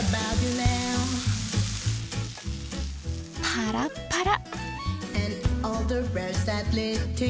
パラッパラ！